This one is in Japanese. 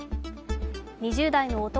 ２０代の男